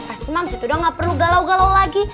pasti moms itu udah nggak perlu galau galau lagi